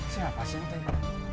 siapa sih ini teh